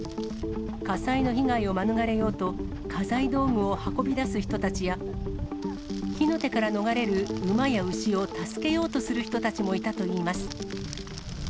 火災の被害を免れようと、家財道具を運び出す人たちや、火の手から逃れる馬や牛を助けようとする人たちもいたといいます。